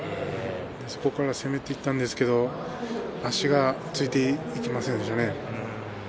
そこから攻めていったんですけど足がついていきませんでしたね。